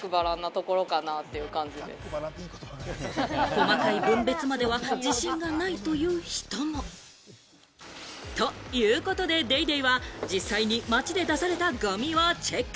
細かい分別までは自信がないという人も。ということで、『ＤａｙＤａｙ．』は実際に街で出されたごみをチェック！